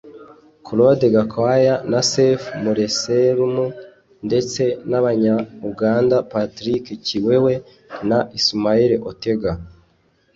Claude Gakwaya na Seif Muselemu ndetse n’Abanya-Uganda Patrick Kiwewe na Ismail Otega